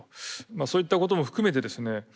そういったことも含めてですね